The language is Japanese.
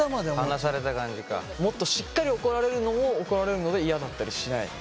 もっとしっかり怒られるのも怒られるので嫌だったりしないの？